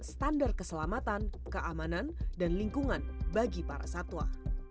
standar keselamatan keamanan dan lingkungan bagi para satwa